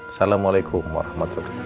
assalamualaikum warahmatullahi wabarakatuh